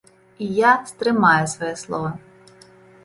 І я стрымаю сваё слова.